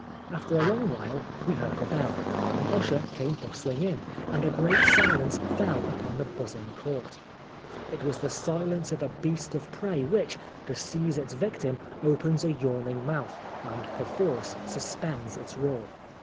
After a long while we heard a bell, an usher came bustling in, and a great silence fell upon the buzzing Court. It was the silence of a beast of prey which, to seize its victim, opens a yawning mouth, and perforce suspends its roar.